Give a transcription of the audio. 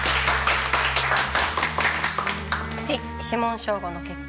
はい指紋照合の結果。